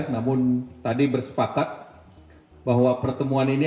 namun tadi bersepakat bahwa pertemuan ini